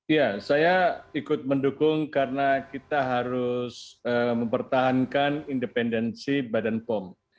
ya saya ikut mendukung karena kita harus mempertahankan independensi badan pom